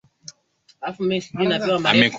Maridadi kama kipepeo.